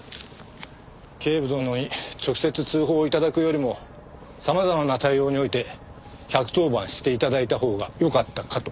警部殿に直接通報頂くよりも様々な対応において１１０番して頂いたほうがよかったかと。